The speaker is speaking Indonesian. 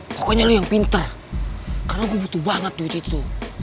pokoknya lo yang pinter karena gue butuh banget duit itu